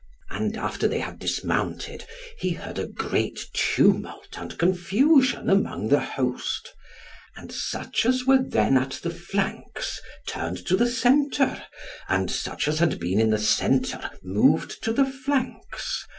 And after they had dismounted he heard a great tumult and confusion amongst the host, and such as were then at the flanks, turned to the centre, and such as had been in the centre moved to the flanks.